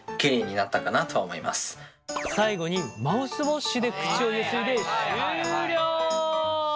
最後にマウスウォッシュで口をゆすいで終了。